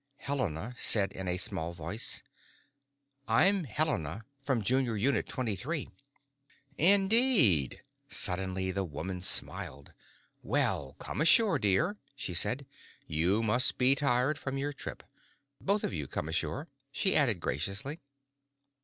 Helena said in a small voice, "I'm Helena, from Junior Unit Twenty Three." "Indeed." Suddenly the woman smiled. "Well, come ashore, dear," she said. "You must be tired from your trip. Both of you come ashore," she added graciously.